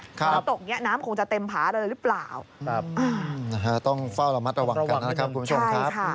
ฝนตกเนี่ยน้ำคงจะเต็มผาเลยหรือเปล่าต้องเฝ้าระมัดระวังก่อนนะครับคุณผู้ชมครับ